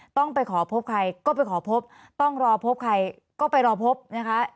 ต้องไปขอพบใครก็ไปขอพบต้องรอพบใครก็ไปรอพบนะคะ